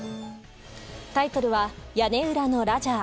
タイトルは「屋根裏のラジャー」。